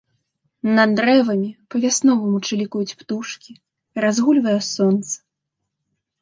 Над дрэвамі па-вясноваму чылікаюць птушкі, разгульвае сонца.